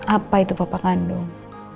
apa itu papa kandung